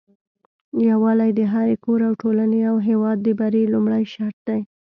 يوالي د هري کور او ټولني او هيواد د بری لمړي شرط دي